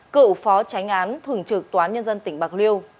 cựu phó tránh án thường trực tòa án nhân dân tỉnh bạc liêu